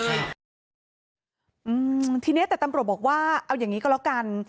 ทีเนี้ยแต่ตำรวจบอกว่าเอาอย่างนี้ก็แล้วกัน